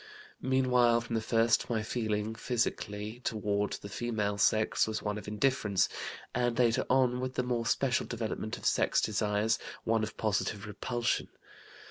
"Meanwhile, from the first, my feeling, physically, toward the female sex was one of indifference, and later on, with the more special development of sex desires, one of positive repulsion.